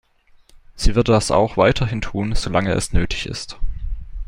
Sie wird das auch weiterhin tun, solange es nötig ist.